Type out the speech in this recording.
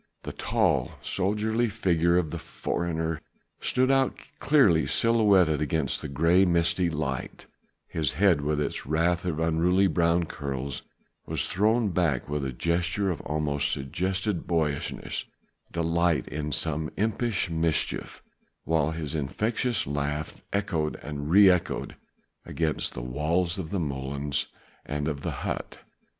The tall soldierly figure of the foreigner stood out clearly silhouetted against the grey, misty light: his head with its wealth of unruly brown curls was thrown back with a gesture that almost suggested boyish delight in some impish mischief, whilst his infectious laugh echoed and re echoed against the walls of the molens and of the hut.